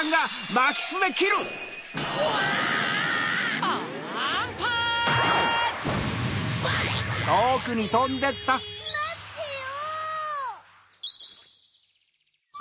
まってよ！